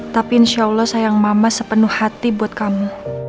tapi insya allah sayang mama sepenuh hati buat kamu